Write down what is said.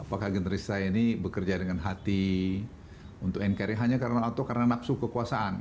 apakah generasi saya ini bekerja dengan hati untuk en carry hanya karena atau karena nafsu kekuasaan